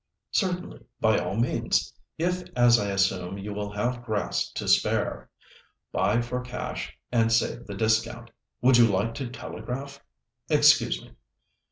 "Certainly, by all means; if, as I assume, you will have grass to spare. Buy for cash and save the discount. Would you like to telegraph? Excuse me."